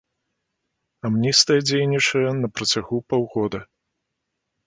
Амністыя дзейнічае на працягу паўгода.